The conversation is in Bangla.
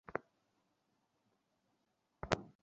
ভালো হতো, অ্যাজাক যদি তোমাকে বেছে না নিত।